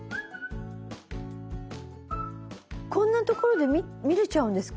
こんなところで見れちゃうんですか？